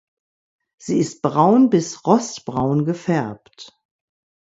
Sie ist braun bis rostbraun gefärbt.